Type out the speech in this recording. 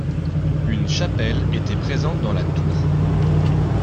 Une chapelle était présente dans la tour.